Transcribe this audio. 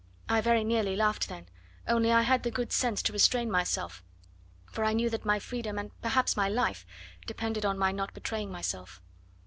I very nearly laughed then, only I had the good sense to restrain myself, for I knew that my freedom, and perhaps my life, depended on my not betraying myself.